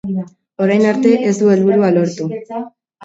Orain arte ez du helburua lortu.